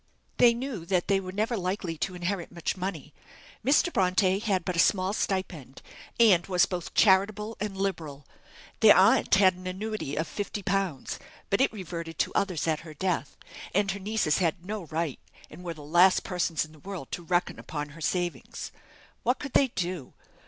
They knew that they were never likely to inherit much money. Mr. Bronte had but a small stipend, and was both charitable and liberal. Their aunt had an annuity of 50_l_., but it reverted to others at her death, and her nieces had no right, and were the last persons in the world to reckon upon her savings. What could they do?